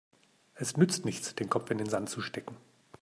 Es nützt nichts, den Kopf in den Sand zu stecken.